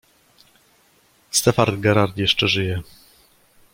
"Stefan Gerard jeszcze żyje!"